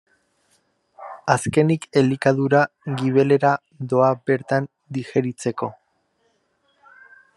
Azkenik elikadura gibelera doa bertan digeritzeko.